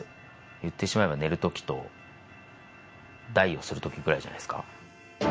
言ってしまえば、寝るときと、大をするときぐらいじゃないです